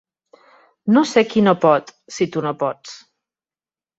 No sé qui no pot, si tu no pots.